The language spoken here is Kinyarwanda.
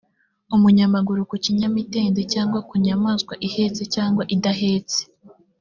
umunyamaguru ku kinyamitende cyangwa ku nyamaswa ihetse cyangwa idahetse